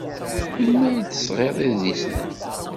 Melmi ay d-tesɣid idlisen-a?